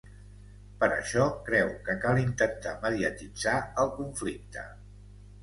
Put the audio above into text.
Per això, creu que cal intentar ‘mediatitzar’ el conflicte.